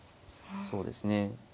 そうですね。